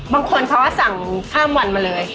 บางคนเขาก็สั่งข้ามวันมาเลย